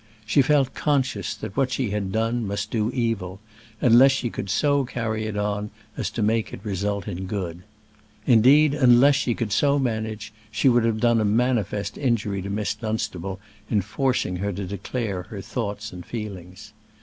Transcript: She felt conscious that what she had done must do evil, unless she could so carry it on as to make it result in good. Indeed, unless she could so manage, she would have done a manifest injury to Miss Dunstable in forcing her to declare her thoughts and feelings.